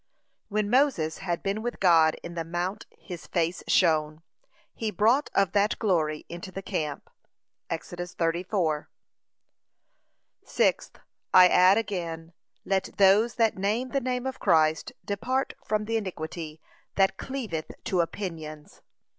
When Moses had been with God in the mount his face shone, he brought of that glory into the camp. (Exo. 34) Sixth, I add again, let those that name the name of Christ depart from the iniquity THAT CLEAVETH TO OPINIONS.